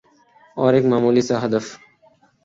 اور ایک معمولی سا ہدف